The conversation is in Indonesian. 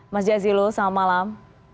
mas jazilul selamat malam